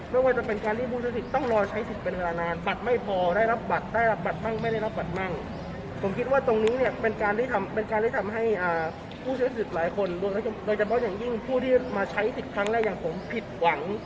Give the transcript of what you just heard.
ไม่ว่าจะเป็นการที่ผู้ใช้สิทธิ์ต้องรอใช้สิทธิ์เป็นเวลานานบัตรไม่พอได้รับบัตรได้รับบัตรมั่งไม่ได้รับบัตรมั่งผมคิดว่าตรงนี้เนี่ยเป็นการที่ทำเป็นการที่ทำให้ผู้ใช้สิทธิ์หลายคนโดยเฉพาะอย่างยิ่งผู้ที่มาใช้สิทธิ์ครั้งแรกอย่างผมผิดหวัง